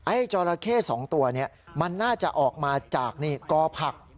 ไอ้จอหลาเค่สองตัวนี้มันน่าจะออกมาจากนี่ก่อผัก